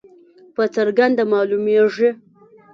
په څرګنده معلومیږي.